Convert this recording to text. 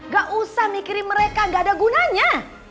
gak usah mikirin mereka gak ada gunanya